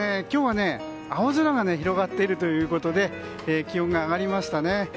今日は青空が広がっているということで気温が上がりましたね。